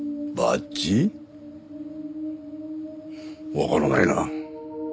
わからないな。